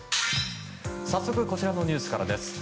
早速こちらのニュースからです。